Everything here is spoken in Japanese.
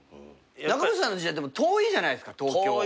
長渕さんの時代でも遠いじゃないですか東京。